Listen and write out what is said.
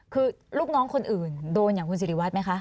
คือลูกน้องคนอื่นโดนอย่างคุณสิริวัตรไหมคะ